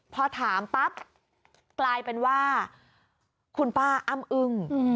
พอถามปั๊บกลายเป็นว่าคุณป้าอ้ำอึ้ง